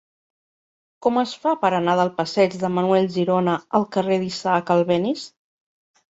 Com es fa per anar del passeig de Manuel Girona al carrer d'Isaac Albéniz?